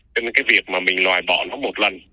cho nên cái việc mà mình loại bỏ nó một lần